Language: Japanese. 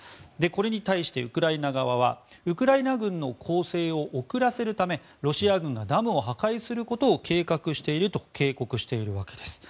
これに対してウクライナ側はウクライナ軍の攻勢を遅らせるためロシア軍がダムを破壊することを計画していると警告しているわけです。